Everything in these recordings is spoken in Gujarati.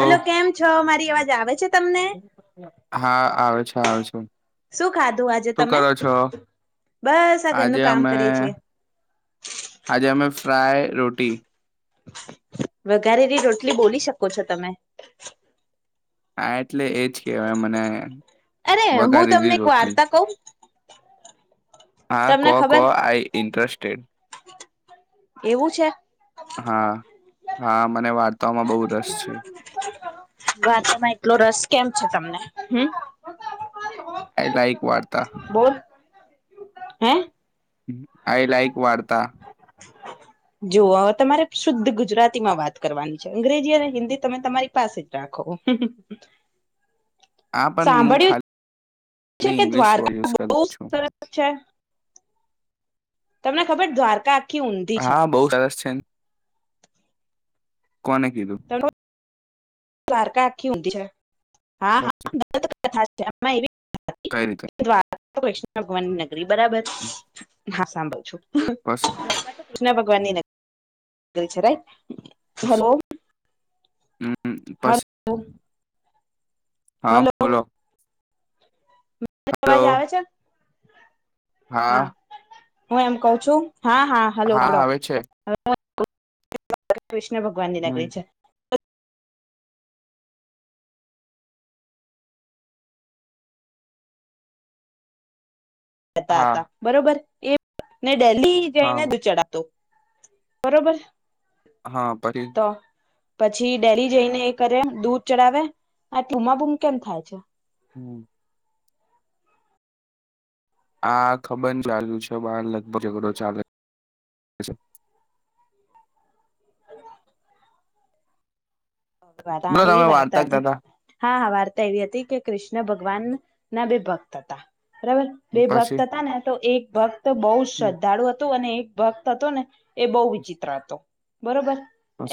હલો કેમ છો મારી અવાજ આવે છે તમને હા આવે છે આવે છે શું શું ખાધું આજે તમે કરો છો બસ આ આજે ઘરનું કામ અમે કરીએ છીએ આજે અમે ફ્રાય રોટી વઘારેલી રોટલી બોલી શકો છો તમે હા એટલે એજ કેહેવાય મને અરે હું તમને વઘારેલી એક રોટલી વાર્તા કઉું હા કો કો ખબર આઈ ઇન્ટરેસ્ટેડ એવું છે હા હા મને વાર્તામાં બહુ રસ છે વાતોમાં એટલો રસ કેમ છે તમને હમ આઈ લાઇક વાર્તા બોલ હે આઈ લાઇક વારતા જો હ તમારે શુદ્ધ ગુજરાતીમાં વાત કરવાની છે અંગ્રેજી અને હિન્દી તમે તમારી પાસે જ રાખો આ પણ હું સાંભળ્યું ખાલી છે કે ઇંગ્લિશ વર્ડ દ્વારકા યુઝ કરું બહુ છું સરસ છે તમને ખબર દ્વારકા આખી ઊંધી છે હા બહુ સરસ છે કોને કીધું તમને દ્વારકા આખી ઉંધી છે હા હા ગત [unintelligible] કથા છેમાં એવી કઈ રીતે વૈષ્ણ ભગવાન ન બરાબર હા સંભણ છું બસ બન્ને ને [unintelligible] છે રાઈટ પસ હલો હમ પછ હલો [unintelligible] હા બોલો અ હલો વાજ આવે છે હા હું એમ કઉ છું હા હા હલો સાભડો આવે છે. કૃષ્ણ ભગવાન ની હમ્મ. નગરી છે હતા તા હા, બરોબર એ ને ડેહી જઈને હા, દૂઘ ચડાતુ બરોબર હા પછી તો પછી ડેરી જઈને એ કરે દૂધ ચડાવે અને બુમાબુમ કેમ થાય છે હુમ આા ખબર ચાલુ છે બાર લગભગ ઝઘડો ચાલે બોલો તમે વાર્તા કરતા તા [unintelligible] એવી હતી કે કૃષ્ણ ભગવાન ના બે ભક્ત હતા બરાબર બે ભક્ત પછી હતા ને તો એક બસ તો બહુ શ્રદ્ધાળુ હતું અને એક ભક્ત હતો ને એ બહુ વિચિત્ર હતો બરોબર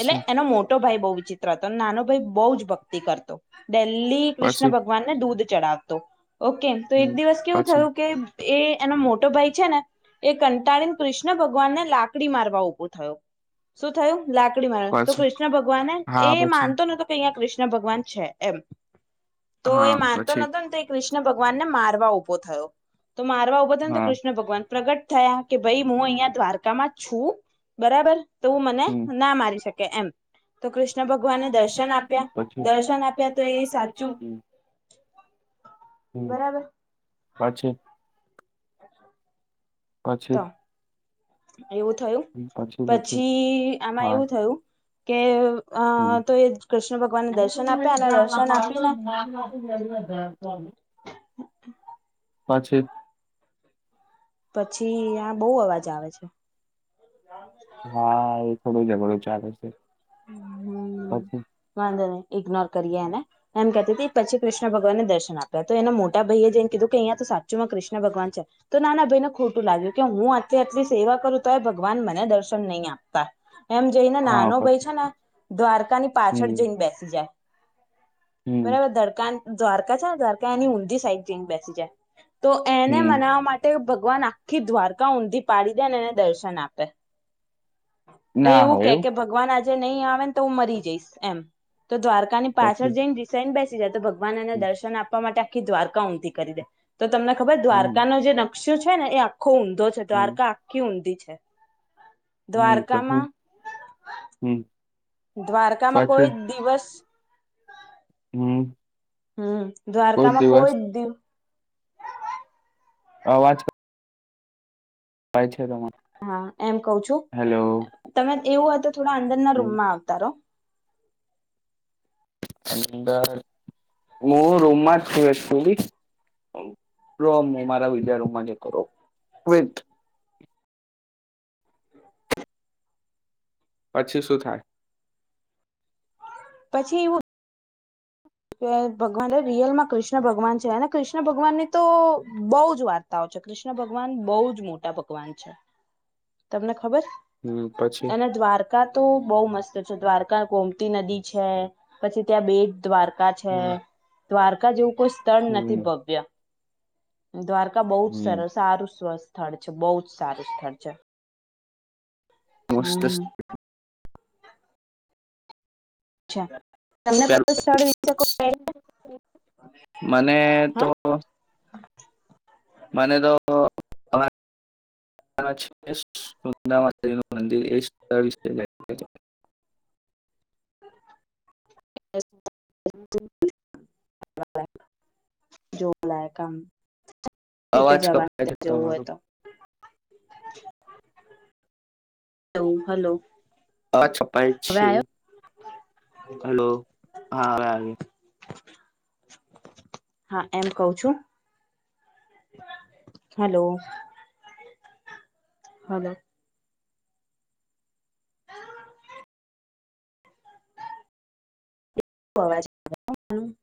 એટલે એનો મોટો ભાઈ વીચિત નાનો ભાઈ બહ જ ભક્તિ કરતો ડિલ્લી કૃષ્ણ પછી ભગવાનને દૂધ ચઢીવ તો ઓકે તો એક હમ્મ દિવસ કેવું પછી થયું કે એ એનો મોટો ભાઈ છે ને એ કંટાળીને કૃષ્ણ ભગવાનને લાકડી મારવા ઊભોથયો શું થયું લાકડી માર વાતો પછી કૃષ્ણ ભગવાને હા એ પછી માનતો ન તો કહીયા કૃષ્ણ કૃષ્ણ ભગવાન છે એમ તો એ હા માનતો પછી નતો ને તો કિસ કૃષ્ણ ભગવાનને મારવા ઉભો થયો તો મારવા ઉઊભા ને તો હા કૃષ્ણ ભગવાન પ્રગટ થયા કે ભઈ હું અહિયાં દ્વારકામાં જ છું બરાબર. તું મને હમ્મ. ના મારી શકે. એમ તો કૃષ્ણ કૃષ્ણ ભગવાનને દર્શન આપે આપ્યા, પછી દર્શન આપ્યા તો એટલે એ સાચું હમ, બરાબર પાછી? પછી? તો એવું થયું, પછી આમાં હા એવું થયું. કે અ તો એ કૃષ્ણ ભગવાનને દર્શન આપ્યા અને દર્શન આપીને [unintelligible] પછી પછી આ બહુ અવાજ આવે છે. હા એ થોડો જઘડો ચાલે છે. હમ પછી વાંધો નઈ. ઇગ્નોર કરીએ એને એમ કહેતી એ પછી કૃષ્ણ ભગવાને દર્શન આપ્યા તો એના મોટા ભઈએ જઇન કીધું કે અહીંયા તો સાચુંમાં કૃષ્ણ ભગવાન છે, તો નાના ભઈને ખોટું લાગ્યું કે હું અત્યારથી સેવા કરું તો ય ભગવાન મને દર્શન નહીં આપતા. એમ જઈને હા નાનો ભઈ પછી છે. દ્વારકા ની પાછળ હમ જઈને બેસી જાય. હમ બરાબર ધડકાન દ્વારકા છે ને દ્વારકા એની ઊંંધી સાઈડ જઈન બેસી જાય. તો એને હમ મનાવા માટે ભગવાન આખી દ્વારકા ઊંધી પાડી દેન એને દર્શન આપે. એ ના એવું હોય કે કે ભગવાન આજે જે નહી આવે ને તો હું મરી જઈશ એમ. તો દ્વારકાની પાછળ પછી જઈને રિસાઇન બે સી જાય તો ભગવાન એને દર્શન આપવા માટે આખી દ્વારકા ઊંધી કરી દે. તો તમને ખબર હમ દ્વારકાનો જે ન પક્ષ છે ને એ આખો ઊંધો છે હમ દ્વારકા આખી ઊંધી છે. છે. હમ પછી દ્વારકામાં હમ દ્વારકામાં પછી કોઈ દિવસ હમ હમ દ્વારકામાં કોઈ જ દિવ અવાજ થાય છે. તમા હા એમ કઉ છું હેલો તમે એવું હોયતો થોડા અંદરના હમ, રૂમમાં આવતા રો અંદર હું રૂમમાં જ છું શું [unintelligible] રો હું મારા બીજા રૂમમાં કરું વેઈટ પછી શું થાય પછી એવું કે ભગવાન રિયલમાં કૃષ્ણ ભગવાન છે અને કૃષ્ણ ભગવાનની તો બહુ જ વાર્તાઓ છે કૃષ્ણ ભગવાન બહુ જ મોટા ભગવાન છે તમને ખબર હમ પછી અને દ્વારકા તો બઉ મસ્ત છે દ્વારકા ગોમતી નદી છે પછી ત્યાં બેટ દ્વાર કા છે હમ દ્વારકા જેવું કોઈ સ્થળ નથી હમ ભવ્ય દ્વારકા બહુ જ હમ સરસ સારું સ્વસ્થ સ્થળ છે બહુ જ સારું સ્થળ છે મસ્ત હમ અચ્છા મને તો મને તો સું નું મંદિર એ વિશે જ [unintelligible] [inaudible] જો લ કામ અવાજ કપાય છે તમારો તો હ હલો અવાજ કપાય હવે છે આવ્યો હલો હા હવે આવે હા એમ કવ છું હલો હલો શ અવાજ [unintelligible]